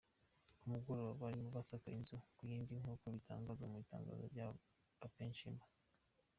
Ku mugoroba barimo basaka inzu ku yindi nkuko bitangazwa mu itangazo ry'aba Peshmerga.